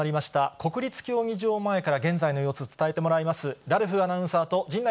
国立競技場前から現在の様子伝えてもらいます。